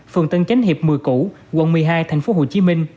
phường tân chánh hiệp một mươi củ quận một mươi hai tp hcm